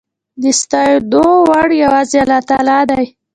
د ستاينو وړ يواځې الله تعالی دی